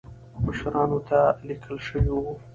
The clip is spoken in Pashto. مشرانو ته لیکل شوي وو.